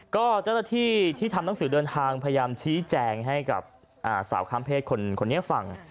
ก็เจ้าหน้าที่ที่ทำหนังสือเดินทางพยายามชี้แจงให้กับสาวข้ามเพศคนนี้ฟัง